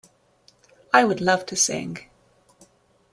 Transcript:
I would love to sing.